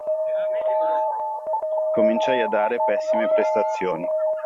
Cominciai a dare pessime prestazioni.